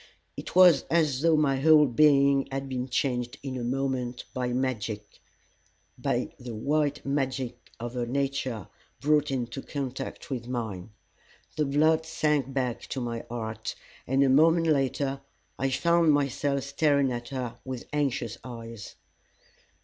It was as though my whole being had been changed in a moment by magic by the white magic of her nature brought into contact with mine. The blood sank back to my heart, and a moment later I found myself staring at her with anxious eyes.